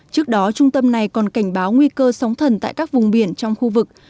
trước đó trung tâm này còn cảnh báo nguy cơ sóng thần tại các vùng biển trong khu vực